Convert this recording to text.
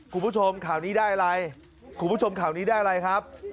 คุณผู้ชมข่าวนี้ได้อะไรคุณผู้ชมข่าวนี้ได้อะไรครับ